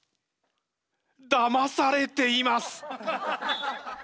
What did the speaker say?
だまされています！